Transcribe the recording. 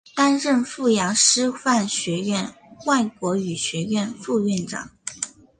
担任阜阳师范学院外国语学院副院长。